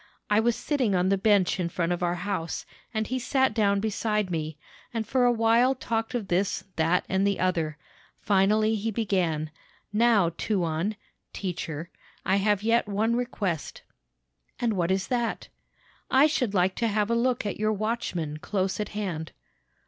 I was sitting on the bench in front of our house, and he sat down beside me, and for a while talked of this, that, and the other. Finally he began, 'Now tuan [teacher], I have yet one request.' "'And what is that?' "'I should like to have a look at your watchmen close at hand.'